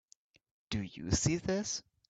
Do you see this?